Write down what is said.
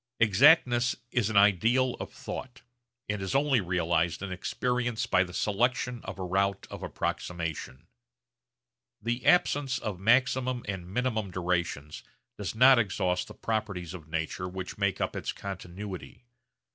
Exactness is an ideal of thought, and is only realised in experience by the selection of a route of approximation. The absence of maximum and minimum durations does not exhaust the properties of nature which make up its continuity.